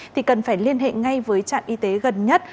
thì cần phải liên hệ ngay với trạm y tế gần nhất